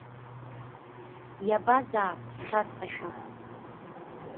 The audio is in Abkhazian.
Иабазаап схьаҵрашәа.